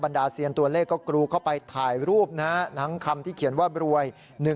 ดาเซียนตัวเลขก็กรูเข้าไปถ่ายรูปนะทั้งคำที่เขียนว่ารวย